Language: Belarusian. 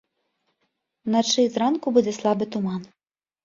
Уначы і зранку будзе слабы туман.